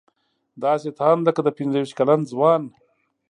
داسې تاند لکه د پنځه ویشت کلن ځوان.